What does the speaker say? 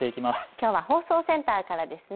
きょうは放送センターからですね。